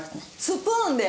スプーンで！？